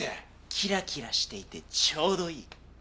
キラキラしていてちょうどいい。